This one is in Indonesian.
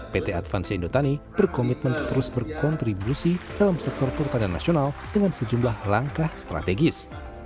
pt advansi indotani berkomitmen terus berkontribusi dalam sektor pertanian nasional dengan sejumlah langkah strategis